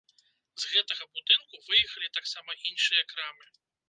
З гэтага будынку выехалі таксама іншыя крамы.